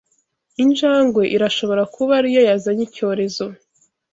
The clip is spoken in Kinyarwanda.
Injangwe irashobora kuba ariyo yazanye icyorezo